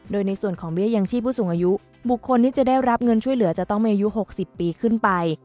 โดยในส่วนของเบี้ยยังชีพผู้สูงอายุบุคคลที่จะได้รับเงินช่วยเหลือจะต้องมีอายุ๖๐ปีขึ้นไป